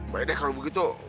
baik deh kalo begitu